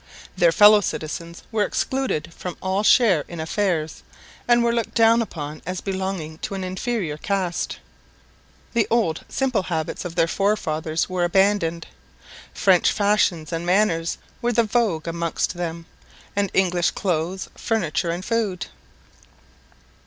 Their fellow citizens were excluded from all share in affairs, and were looked down upon as belonging to an inferior caste. The old simple habits of their forefathers were abandoned. French fashions and manners were the vogue amongst them, and English clothes, furniture and food.